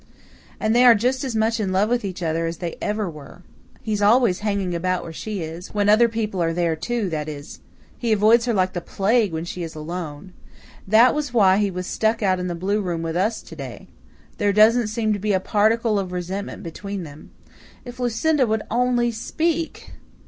And they are just as much in love with each other as they ever were. He's always hanging about where she is when other people are there, too, that is. He avoids her like a plague when she is alone. That was why he was stuck out in the blue room with us to day. There doesn't seem to be a particle of resentment between them. If Lucinda would only speak!